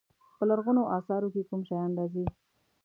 په لرغونو اثارو کې کوم شیان راځي.